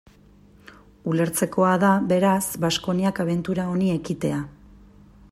Ulertzekoa da, beraz, Baskoniak abentura honi ekitea.